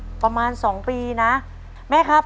ต้นไม้ประจำจังหวัดระยองการครับ